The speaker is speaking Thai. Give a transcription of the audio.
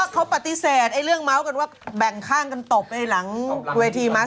เขาปฏิเสธเรื่องเล่าแบบกับการตบหลังเวทีมากเลย